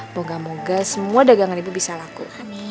moga moga semua dagangan ibu bisa laku